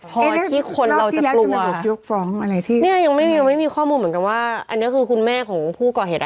พอที่คนเราจะยกฟ้องอะไรที่เนี่ยยังไม่มีข้อมูลเหมือนกันว่าอันนี้คือคุณแม่ของผู้ก่อเหตุ